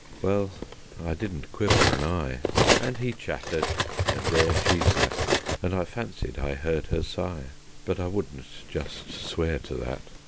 Well, I didn't quiver an eye, And he chattered and there she sat; And I fancied I heard her sigh But I wouldn't just swear to that.